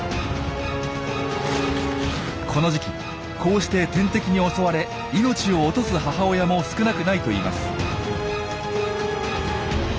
この時期こうして天敵に襲われ命を落とす母親も少なくないといいます。